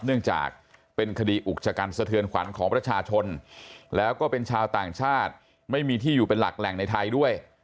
เนื่องจากเป็นคดีอุกชะกันสะเทือนขวัญของประชาชนแล้วก็เป็นชาวต่างชาติไม่มีที่อยู่เป็นหลักแหล่งในไทยด้วย